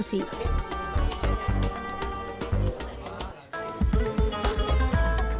rumahitive di aunty